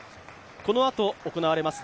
このあと行われます